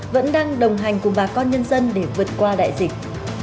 vẫn đang đồng hành cùng bà con nhân dân để vượt qua đại dịch